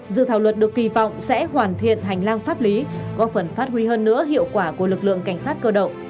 dự thảo luật được kỳ vọng sẽ hoàn thiện hành lang pháp lý góp phần phát huy hơn nữa hiệu quả của lực lượng cảnh sát cơ động